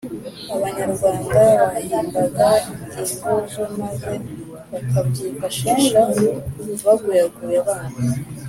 abanyarwanda bahimbaga ibihozo maze bakabyifashisha baguyaguya abana